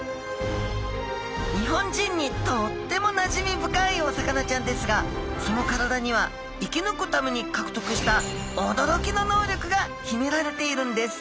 日本人にとってもなじみ深いお魚ちゃんですがその体には生き抜くために獲得した驚きの能力がひめられているんです！